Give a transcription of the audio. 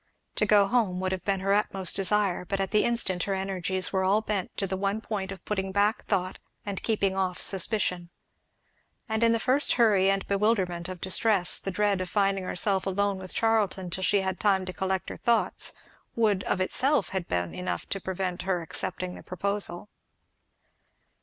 To go home would have been her utmost desire, but at the instant her energies were all bent to the one point of putting back thought and keeping off suspicion. And in the first hurry and bewilderment of distress the dread of finding herself alone with Charlton till she had had time to collect her thoughts would of itself have been enough to prevent her accepting the proposal.